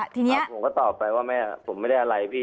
ผมก็ตอบไปว่าผมไม่ได้อะไรพี่